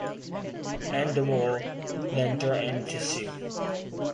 Endemol then threatened to sue.